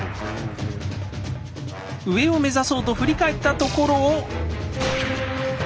上を目指そうと振り返ったところを。